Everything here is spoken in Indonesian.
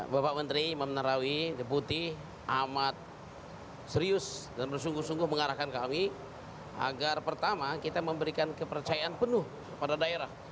bapak menteri imam narawi deputi amat serius dan bersungguh sungguh mengarahkan kami agar pertama kita memberikan kepercayaan penuh pada daerah